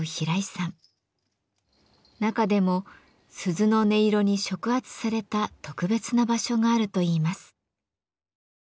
中でも鈴の音色に触発された特別な場所があるといいます。